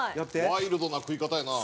ワイルドな食い方やな。